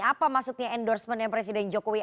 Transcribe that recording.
apa maksudnya endorsementnya presiden jokowi